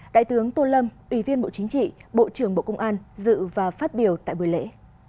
đại tướng tô lâm ủy viên bộ chính trị bộ trưởng bộ công an dự và phát biểu tại buổi lễ